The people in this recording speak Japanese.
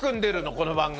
この番組？